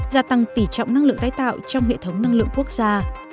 gia tăng tỉ trọng năng lượng tái tạo trong hệ thống năng lượng quốc gia